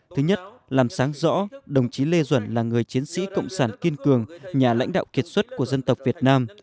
thứ nhất làm sáng rõ đồng chí lê duẩn là người chiến sĩ cộng sản kiên cường nhà lãnh đạo kiệt xuất của dân tộc việt nam